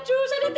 sudah sudah sudah